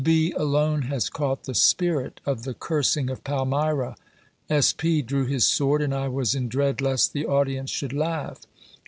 B. alone has caught the spirit of the cursing of Palmyra. S. P. drew his sword, and I was in dread lest the audience should laugh.